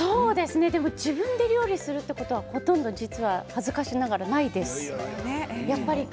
自分で料理をするということはほとんど実は恥ずかしながら、ないです。